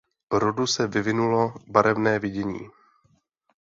Rodu se vyvinulo barevné vidění.